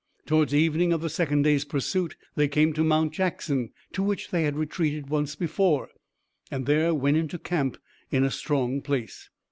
Toward evening of the second day's pursuit, they came to Mount Jackson, to which they had retreated once before, and there went into camp in a strong place.